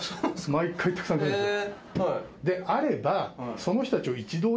毎回たくさん来るんです。